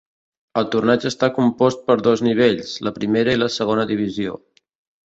El torneig està compost per dos nivells, la primera i la segona divisió.